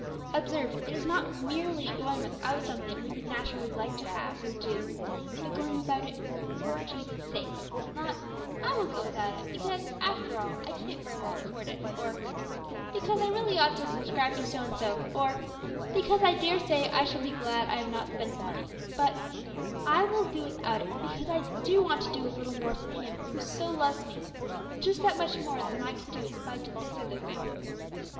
Observe, it is not merely going without something we would naturally like to have or do, but going without it for Jesus' sake. Not, 'I will go without it, because, after all, I can't very well afford it;' or, 'because I really ought to subscribe to so and so;' or, 'because I daresay I shall be glad I have not spent the money:' but, 'I will do without it, because I do want to do a little more for Him who so loves me just that much more than I could do if I did this other thing.'